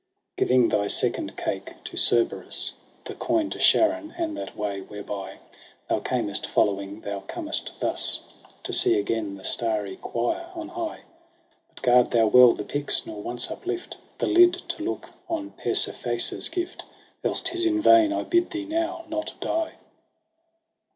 ' Giving thy second cake to Cerberus, The coin to Charon, and that way whereby Thou earnest following, thou comest thus To see again the starry choir on high. But guard thou well the pyx, nor once uplift The lid to look on .Persephassa's gift j Else 'tis in vain I bid ,thee now not die.'